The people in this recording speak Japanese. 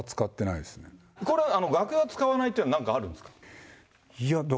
これ、楽屋使わないというのは、なんか、あるんですか？